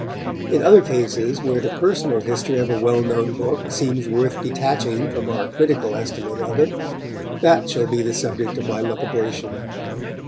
In other cases, where the personal history of a well known book seems worth detaching from our critical estimate of it, that shall be the subject of my lucubration.